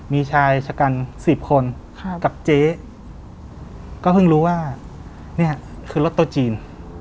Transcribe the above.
มีชายชะกัน๑๐คนกับเจ๊ก็เพิ่งรู้ว่านี่คือรถโต๊ะจีน